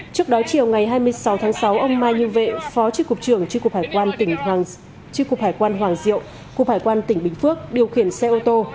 trước đó chiều ngày hai mươi sáu tháng sáu ông mai như vệ phó chi cục trưởng chi cục hải quan hoàng diệu cục hải quan tỉnh bình phước điều khiển xe ô tô